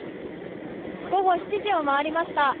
午後７時を回りました。